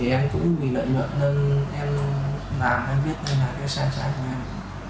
em cũng bị lợi nhuận nên em làm em biết đây là cái xe chạy của em